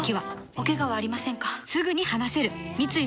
おケガはありませんか？